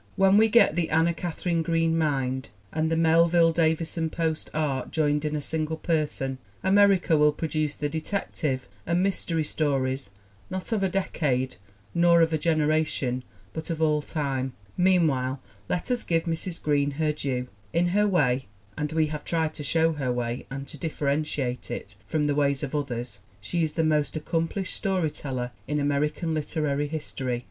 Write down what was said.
When we get the Anna Katharine Green Mind and the Melville Davisson Post Art joined in a single person America will produce the detective and mystery stories not of a decade nor of a generation but of all time. Meanwhile let us give Mrs. Green her due. In her way, and we have tried to show her way and to dif ferentiate it from the ways of others, she is the most accomplished story teller in American literary history.